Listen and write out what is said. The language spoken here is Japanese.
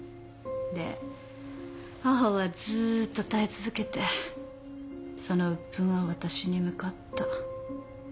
で母はずっと耐え続けてその鬱憤は私に向かった。